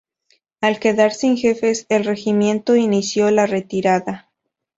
Al quedar sin jefes, el regimiento inició la retirada.